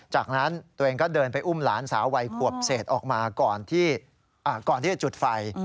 จากนั้นตัวเองก็เดินไปอุ้มหลานสาววัยขวบเศษออกมาก่อนที่จะจุดไฟ